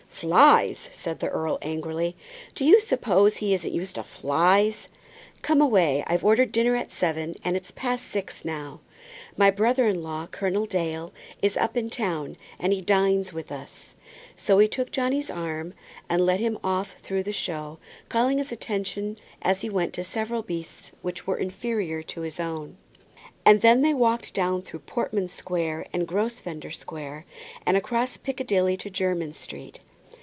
"Flies!" said the earl, angrily. "Do you suppose he isn't used to flies? Come away. I ordered dinner at seven, and it's past six now. My brother in law, Colonel Dale, is up in town, and he dines with us." So he took Johnny's arm, and led him off through the show, calling his attention as he went to several beasts which were inferior to his own. And then they walked down through Portman Square and Grosvenor Square, and across Piccadilly to Jermyn Street.